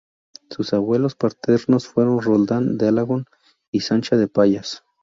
Sus abuelos paternos fueron Roldán de Alagón y Sancha de Pallás.